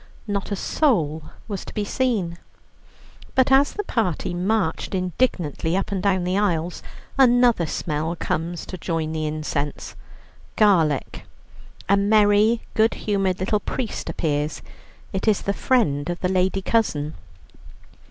Not a soul was to be seen. But as the party marched indignantly up and down the aisles, another smell comes to join the incense garlic. A merry, good humoured little priest appears; it is the friend of the lady cousin.